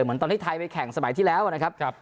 เหมือนตอนที่ไทยไปแข่งสมัยที่แล้วนะครับ